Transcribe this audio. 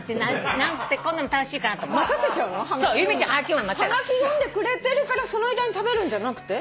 はがき読んでくれてるからその間に食べるんじゃなくて？